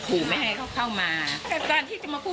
ปลดมาตั้งแต่อายุ๕๗ตอนนี้๗๘แล้วนะคะ